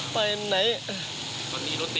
ไปไหน